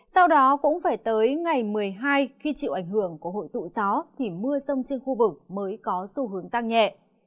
sau đó cũng phải tới ngày một mươi hai khi chịu ảnh hưởng của hội tụ gió thì mưa rông trên khu vực mới có xu hướng tăng nhẹ